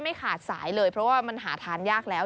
ไม่ขาดสายเลยเพราะว่ามันหาทานยากแล้ว